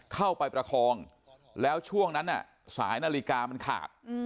ประคองแล้วช่วงนั้นสายนาฬิกามันขาด